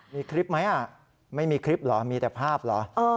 มีคลิปไหมไม่มีคลิปเหรอมีแต่ภาพเหรอ